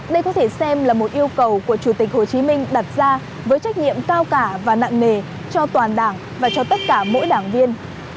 đây có thể xem là một yêu cầu của chủ tịch hồ chí minh đặt ra với trách nhiệm cao cả và nặng nề cho toàn đảng và cho tất cả mỗi đảng viên